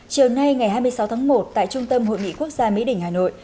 chiều nay ngày hai mươi sáu tháng một tại trung tâm hội nghị quốc gia mỹ đình hà nội